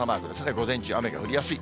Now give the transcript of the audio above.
午前中、雨が降りやすい。